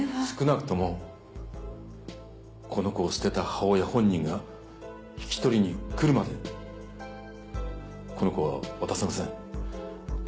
少なくともこの子を捨てた母親本人が引き取りに来るまでこの子は渡せません。